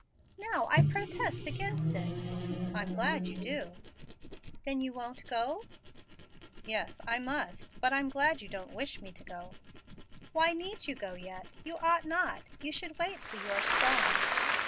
"Now I protest against it." "I'm glad you do." "Then you won't go?" "Yes, I must; but I'm glad you don't wish me to go" "Why need you go yet? You ought not. You should wait till you are strong."